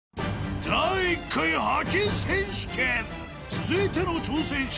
［続いての挑戦者は］